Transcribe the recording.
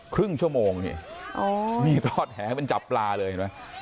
ครึ่งชั่วโมงนี่รอดแหวว่านจับปลาเลย